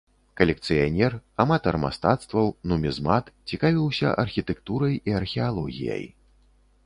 Калекцыянер, аматар мастацтваў, нумізмат, цікавіўся архітэктурай і археалогіяй.